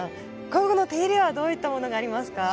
今後の手入れはどういったものがありますか？